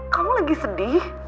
kamu lagi sedih